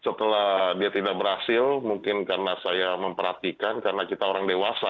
setelah dia tidak berhasil mungkin karena saya memperhatikan karena kita orang dewasa